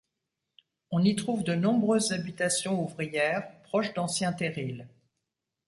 On y trouve de nombreuses habitations ouvrières, proches d'anciens terrils.